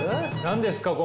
何ですか？